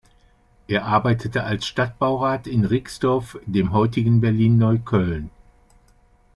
Er arbeitete als Stadtbaurat in Rixdorf, dem heutigen Berlin-Neukölln.